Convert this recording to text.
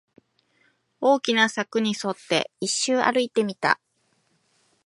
大きな柵に沿って、一周歩いてみた